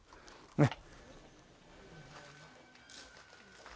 ねっ。